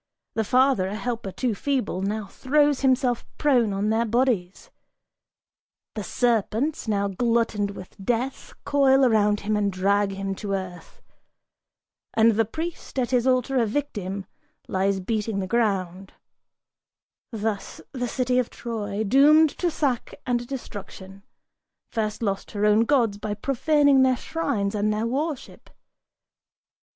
The father, A helper too feeble, now throws himself prone on their bodies: The serpents, now glutted with death, coil around him and drag him To earth! And the priest, at his altar a victim, lies beating The ground. Thus the city of Troy, doomed to sack and destruction, First lost her own gods by profaning their shrines and their worship.